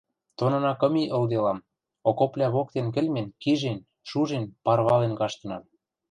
Тонына кым и ылделам, окопвлӓ воктен кӹлмен, кижен, шужен, парвален каштынам.